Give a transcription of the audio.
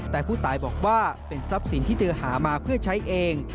แต่ผู้ตายบอกว่าเป็นทรัพย์สินที่เธอหามาเพื่อใช้เอง